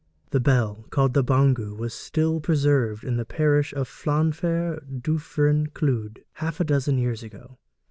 The bell called the bangu was still preserved in the parish of Llanfair Duffryn Clwyd half a dozen years ago.